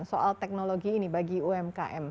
soal teknologi ini bagi umkm